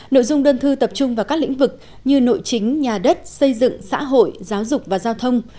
nội dung đơn thư tập trung vào các lĩnh vực như nội chính nhà đất xây dựng xã hội giáo dục và giao thông